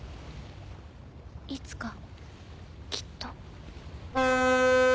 「いつかきっと」。